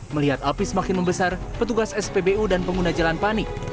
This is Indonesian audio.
melihat api semakin membesar petugas spbu dan pengguna jalan panik